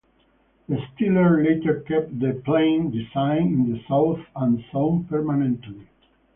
The Steelers later kept the "plain" design in the south end zone permanently.